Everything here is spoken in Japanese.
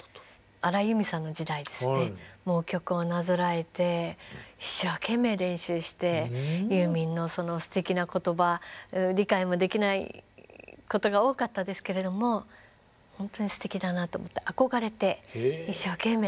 荒井由実さんの時代ですねもう曲をなぞらえて一生懸命練習してユーミンのそのすてきな言葉理解もできないことが多かったですけれどもほんとにすてきだなと思って憧れて一生懸命自分で歌ってました。